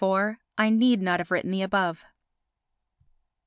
IV, I need not have written the above.